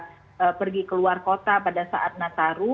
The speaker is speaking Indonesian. kita pergi keluar kota pada saat nataru